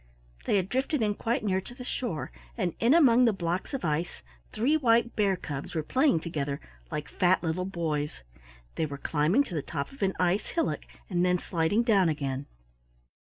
They had drifted in quite near to the shore, and in among the blocks of ice three white bear cubs were playing together like fat little boys. They were climbing to the top of an ice hillock and then sliding down again.